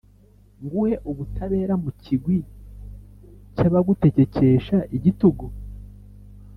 nguhe ubutabera mu kigwi cy’abagutegekesha igitugu.